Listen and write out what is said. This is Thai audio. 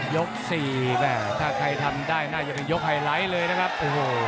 สี่แม่ถ้าใครทำได้น่าจะเป็นยกไฮไลท์เลยนะครับโอ้โห